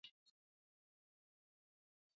Sukari vijiko vya chakula mbili